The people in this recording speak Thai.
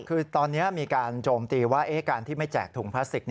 คือตอนนี้มีการโจมตีว่าการที่ไม่แจกถุงพลาสติก